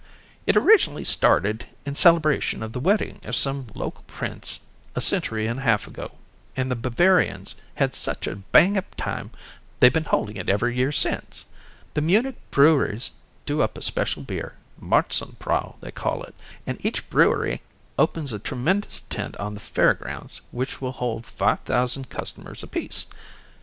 "It originally started in celebration of the wedding of some local prince a century and a half ago and the Bavarians had such a bang up time they've been holding it every year since. The Munich breweries do up a special beer, Marzenbräu they call it, and each brewery opens a tremendous tent on the fair grounds which will hold five thousand customers apiece.